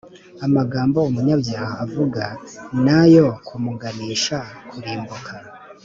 Amagambo umunyabyaha avuga ni ayo kumuganisha kurimbuka